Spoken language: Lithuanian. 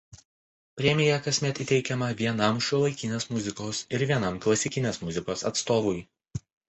Premija kasmet įteikiama vienam šiuolaikinės muzikos ir vienam klasikinės muzikos atstovui.